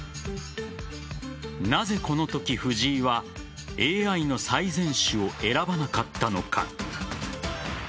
なぜ、このとき藤井はＡＩの最善手を選ばなかったのか。